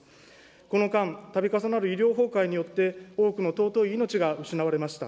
この間、たび重なる医療崩壊によって、多くの尊い命が失われました。